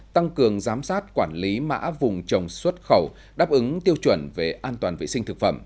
tăng cường giám sát quản lý mã vùng trồng xuất khẩu đáp ứng tiêu chuẩn về an toàn vệ sinh thực phẩm